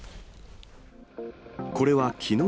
これはきのう